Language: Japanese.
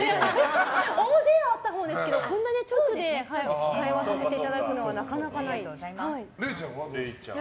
大勢はあったかもですけどこんなに直で会話させていただくのはれいちゃんは？